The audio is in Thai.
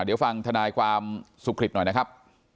เดี๋ยวฟังทนายความสุขฤทธิหน่อยนะครับ